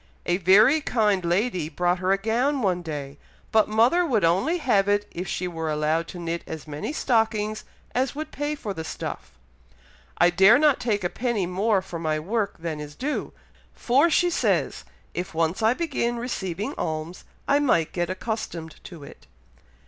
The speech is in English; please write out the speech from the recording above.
A very kind lady brought her a gown one day, but mother would only have it if she were allowed to knit as many stockings as would pay for the stuff. I dare not take a penny more for my work than is due, for she says, if once I begin receiving alms, I might get accustomed to it."